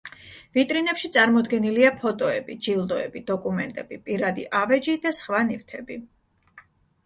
ვიტრინებში წარმოდგენილია ფოტოები, ჯილდოები, დოკუმენტები, პირადი ავეჯი და სხვა ნივთები.